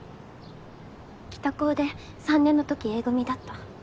北高で３年のときＡ組だった。